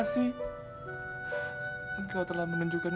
sebenar pesan kan